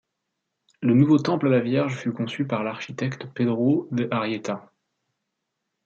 Le nouveau temple à la Vierge fut conçu par l'architecte Pedro de Arrieta.